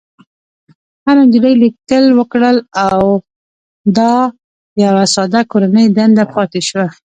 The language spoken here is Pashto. هرې نجلۍ ليکل وکړل او دا يوه ساده کورنۍ دنده پاتې شوه.